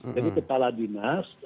jadi kepala dinas